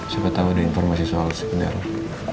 siapa tau ada informasi soal si benarung